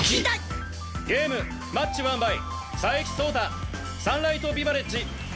ゲームマッチワンバイ佐伯蒼汰サンライトビバレッジ。